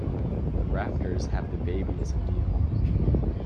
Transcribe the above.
The raptors have the baby as a meal.